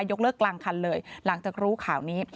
ยกเลิกกลางคันเลยหลังจากรู้ข่าวนี้